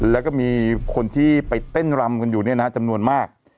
แล้วก็มีคนที่ไปเต้นรำกันอยู่จำนวนมาก